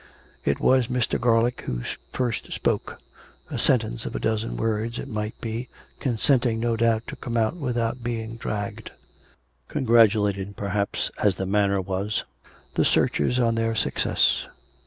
It was Mr. Garlick who first spoke — a sentence of a dozen words, it might be, consenting, no doubt, to come COME RACK! COME ROPE! 397 out without being dragged ; congratulating, perhaps (as the manner was), the searchers on their success.